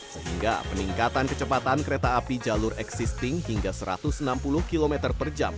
sehingga peningkatan kecepatan kereta api jalur existing hingga satu ratus enam puluh km per jam